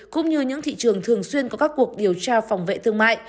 cũng như những thị trường thường xuyên có các cuộc điều tra phòng vệ thương mại